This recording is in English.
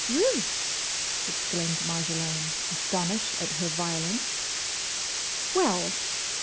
"Ruth!" exclaimed Marjolaine, astonished at her violence. "Well!"